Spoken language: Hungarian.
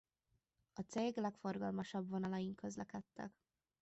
A cég legforgalmasabb vonalain közlekedtek.